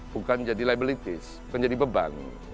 bukan jadi liabilitis bukan jadi beban